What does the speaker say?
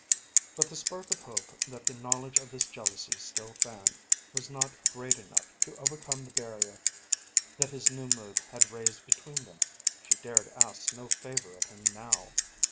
But the spark of hope that the knowledge of this jealousy still fanned was not great enough to overcome the barrier that his new mood had raised between them. She dared ask no favour of him now.